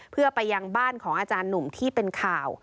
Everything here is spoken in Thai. เพื่อไปยังบ้านของอาจารย์หนุ่มที่เป็นข่าว